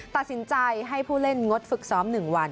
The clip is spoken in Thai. ตัดสินใจให้ผู้เล่นงดฝึกซ้อม๑วัน